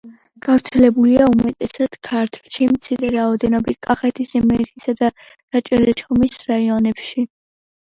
გავრცელებულია უმეტესად ქართლში, მცირე რაოდენობით კახეთის, იმერეთისა და რაჭა-ლეჩხუმის რაიონებში.